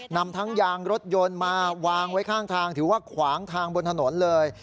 นำทั้งยางรถยนต์มาวางไว้ข้างทางถือว่าขวางทางบนถนนเลย